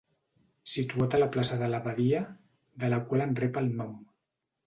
Situat a la plaça de l'Abadia, de la qual en rep el nom.